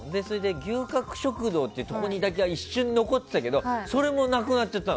牛角食堂ってところに一瞬残ってたけどそれもなくなっちゃったの。